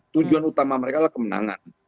tujuan utama mereka adalah kemenangan